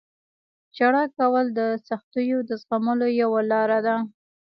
• ژړا کول د سختیو د زغملو یوه لاره ده.